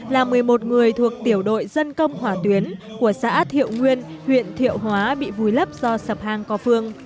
là một mươi một người thuộc tiểu đội dân công hỏa tuyến của xã thiệu nguyên huyện thiệu hóa bị vùi lấp do sập hang co phương